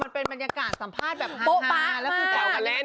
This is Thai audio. มันเป็นบรรยากาศสัมภาษณ์แบบห้างแล้วก็แซลกันเล่น